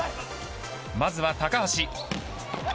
まずは高橋。